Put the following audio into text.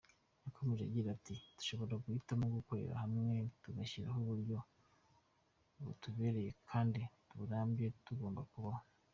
Yakomeje agira ati “Dushobora guhitamo gukorera hamwe, tugashyiraho uburyo butubereye kandi burambye tugomba kubaho.